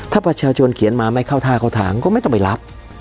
ถ้าประชาชนเขียนมาไม่เข้าท่าเข้าทางก็ไม่ต้องไปรับ